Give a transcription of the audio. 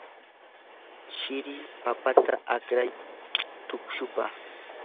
shiri papata akray tuqushpa.